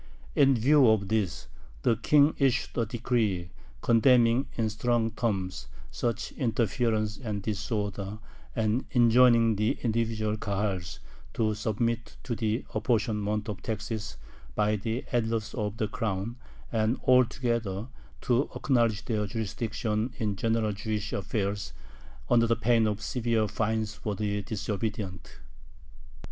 In view of this, the King issued a decree condemning in strong terms "such interference and disorder," and enjoining the individual Kahals to submit to the apportionment of taxes by the Elders of the Crown, and altogether to acknowledge their jurisdiction in general Jewish affairs, under the pain of severe fines for the disobedient.